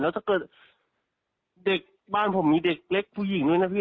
ถ้าเกิดเด็กบ้านผมมีเด็กเล็กผู้หญิงด้วยนะพี่